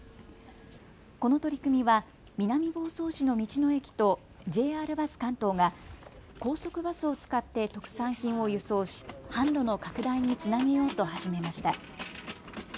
この取り組みは南房総市の道の駅とＪＲバス関東が高速バスを使って特産品を輸送し販路の拡大につなげようと始めました。